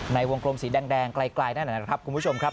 ในวงกลมสีแดงไกลนั่นนะครับคุณผู้ชมครับ